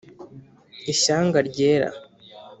ishyanga ryera.